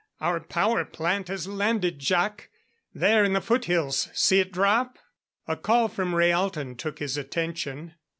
Our power plant has landed, Jac there in the foothills see it drop?" A call from Rhaalton took his attention.